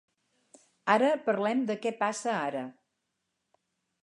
Ara parlem de què passa ara.